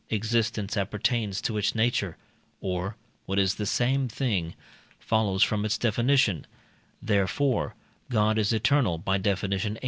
existence appertains to its nature, or (what is the same thing) follows from its definition; therefore, God is eternal (by Def. viii.).